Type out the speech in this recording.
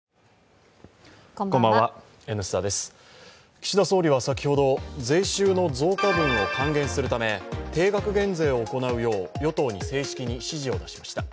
岸田総理は先ほど、税収の増加分を還元するため定額減税を行うよう与党に正式に指示を出しました。